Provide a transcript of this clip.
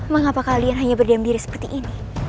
mengapa kalian hanya berdiam diri seperti ini